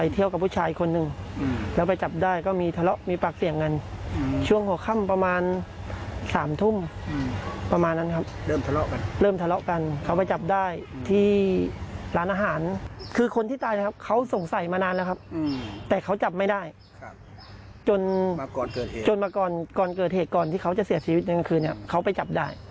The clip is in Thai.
ที่เขาจะเสียชีวิตในกลางคืนเนี่ยเขาไปจับได้